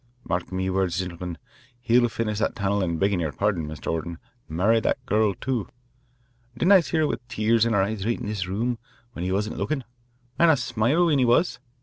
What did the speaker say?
Mark me wurds, gintlemen, he'll finish that tunnel an' beggin' yer pardon, Mr. Orton, marry that gurl, too. Didn't I see her with tears in her eyes right in this room when he wasn't lookin', and a smile when he was?